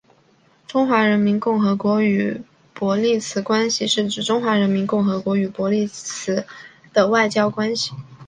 中华人民共和国与伯利兹关系是指中华人民共和国与伯利兹的外交关系。